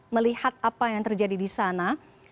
melihat apa yang terjadi di sana